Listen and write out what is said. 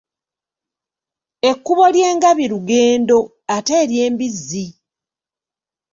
Ekkubo ly'engabi lugendo ate ery'embizzi?